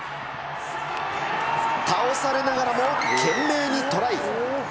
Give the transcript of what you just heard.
倒されながらも、懸命にトライ。